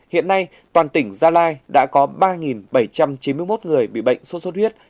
hiện nay toàn tỉnh gia lai đã có ba bảy trăm chín mươi một người bị bệnh sốt xuất huyết